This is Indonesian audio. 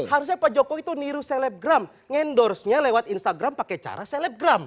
harusnya pak jokowi itu niru selebgram ngendorse nya lewat instagram pakai cara selebgram